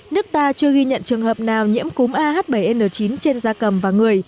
nước ta chưa ghi nhận trường hợp nào nhiễm cúm ah bảy n chín trên da cầm và người